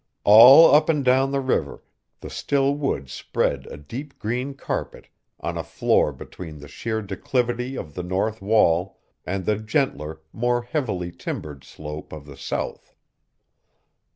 All up and down the river the still woods spread a deep green carpet on a floor between the sheer declivity of the north wall and the gentler, more heavily timbered slope of the south.